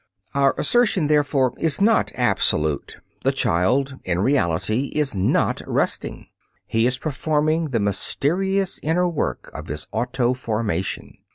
Our assertion, therefore, is not absolute; the child in reality is not resting, he is performing the mysterious inner work of his autoformation.